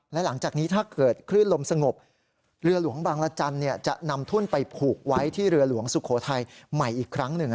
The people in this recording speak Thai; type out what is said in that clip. และหลังจากนี้ถ้าเกิดคลื่นลมสงบเรือหลวงบางละจันทร์จะนำทุ่นไปผูกไว้ที่เรือหลวงสุโขทัยใหม่อีกครั้งหนึ่ง